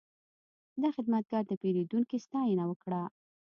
دا خدمتګر د پیرودونکي ستاینه وکړه.